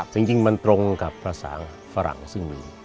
จริงมันตรงกับภาษาฝรั่งซึ่งมี